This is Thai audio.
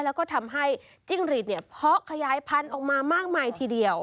แล้วก็ทำให้จิ้งหรีดเนี่ยเพาะขยายพันธุ์ออกมามากมายทีเดียว